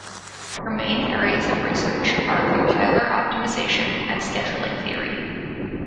Her main areas of research are compiler optimization and scheduling theory.